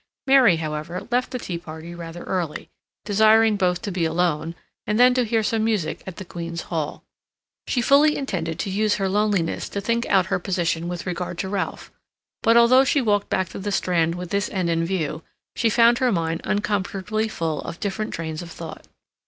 Mary, however, left the tea party rather early, desiring both to be alone, and then to hear some music at the Queen's Hall. She fully intended to use her loneliness to think out her position with regard to Ralph; but although she walked back to the Strand with this end in view, she found her mind uncomfortably full of different trains of thought.